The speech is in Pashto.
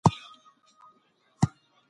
لېوه خره ته کړلې سپیني خپلي داړي